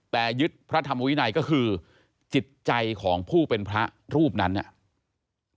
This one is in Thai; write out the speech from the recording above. แต่ยึดพระธรรมวินัยก็คือจิตใจของผู้เป็นพระรูปนั้นเนี่ย